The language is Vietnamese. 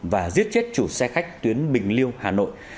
và giết chết chủ xe khách tuyến bình liêu hà nội